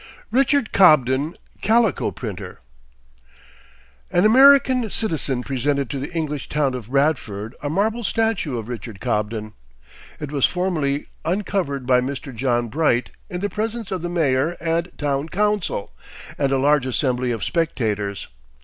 RICHARD COBDEN, CALICO PRINTER. An American citizen presented to the English town of Bradford a marble statue of Richard Cobden. It was formally uncovered by Mr. John Bright, in the presence of the mayor and town council, and a large assembly of spectators.